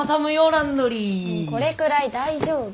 これくらい大丈夫。